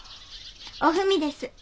おふみです。